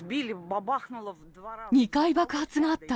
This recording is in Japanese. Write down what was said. ２回爆発があった。